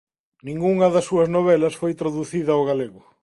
Ningunha das súas novelas foi traducida ao galego.